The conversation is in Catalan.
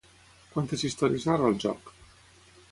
Quantes històries narra el joc?